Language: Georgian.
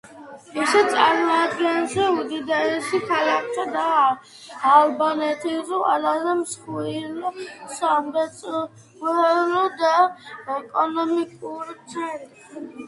ის წარმოადგენს უდიდეს ქალაქს და ალბანეთის ყველაზე მსხვილ სამრეწველო და ეკონომიკურ ცენტრს.